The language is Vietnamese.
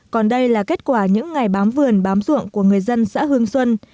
còn đây là kết quả những ngày bám vườn bám ruộng của người dân xã hương xuân